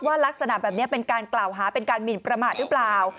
ลักษณะแบบนี้เป็นการกล่าวหาเป็นการหมินประมาทหรือเปล่า